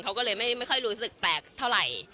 เขาก็เลยไม่ค่อยรู้สึกแปลกเท่าไหร่